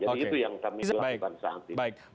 jadi itu yang kami lakukan saat ini